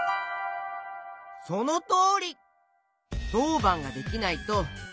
そのとおり！